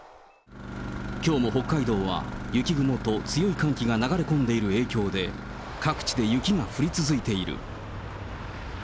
きょうも北海道は、雪雲と強い寒気が流れ込んでいる影響で、各地で雪が降り続いている。